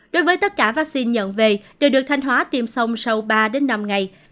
đối với tất cả vaccine nhận về đều được thành hóa tiêm xong sau ba năm ngày